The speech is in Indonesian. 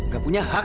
gak punya hak